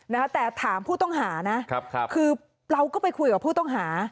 นะคะแต่ถามผู้ต้องหานะครับครับคือเราก็ไปคุยกับผู้ต้องหา